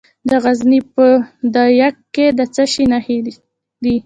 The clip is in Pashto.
د غزني په ده یک کې د څه شي نښې دي؟